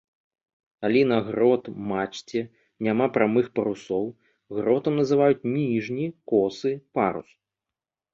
Калі на грот-мачце няма прамых парусоў, гротам называюць ніжні косы парус.